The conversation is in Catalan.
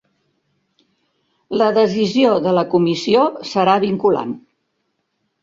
La decisió de la Comissió serà vinculant